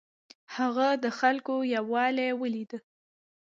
هغه د خلکو یووالی ولید.